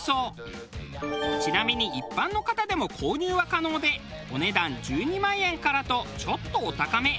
ちなみに一般の方でも購入は可能でお値段１２万円からとちょっとお高め。